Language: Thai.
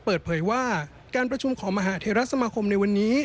เปิดเผยว่าการประชุมของมหาเทราสมาคมในวันนี้